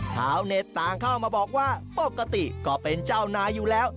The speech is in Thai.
ชาวเน็ตต่างเข้ามาบอกว่าปกติก็เป็นเจ้านายอยู่แล้ว